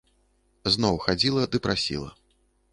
Зноў хадзіла ды прасіла.